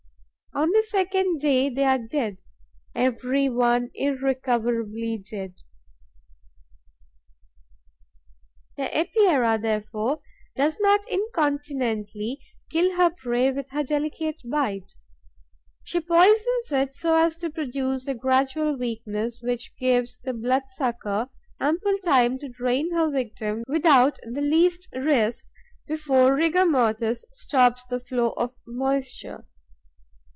On the second day, they are dead, every one irrecoverably dead. The Epeira, therefore, does not incontinently kill her prey with her delicate bite; she poisons it so as to produce a gradual weakness, which gives the blood sucker ample time to drain her victim, without the least risk, before the rigor mortis stops the flow of moisture.